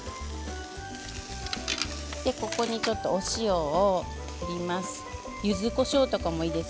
ここに、ちょっとお塩を振ります。